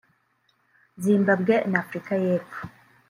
Zimbabwe n’Afurika y’Epfo